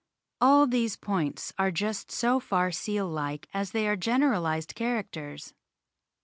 All these points are just so far seal like as they are generalised characters.